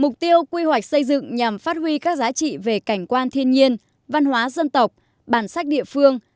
mục tiêu quy hoạch xây dựng nhằm phát huy các giá trị về cảnh quan thiên nhiên văn hóa dân tộc bản sắc địa phương